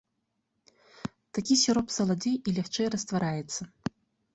Такі сіроп саладзей і лягчэй раствараецца.